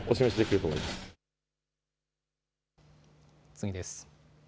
次です。